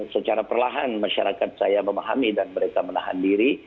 secara perlahan masyarakat saya memahami dan mereka menahan diri